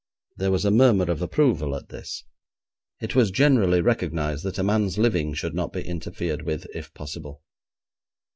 There was a murmur of approval at this. It was generally recognised that a man's living should not be interfered with, if possible.